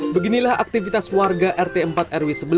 beginilah aktivitas warga rt empat rw sebelas